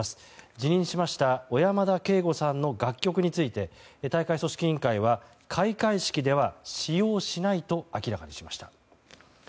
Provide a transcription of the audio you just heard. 辞任しました小山田圭吾さんの楽曲について大会組織委員会は開会式では使用しないと明らかにしました。